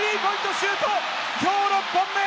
シュートきょう６本目！